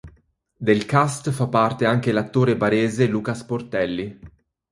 Del cast fa parte anche l'attore barese Luca Sportelli.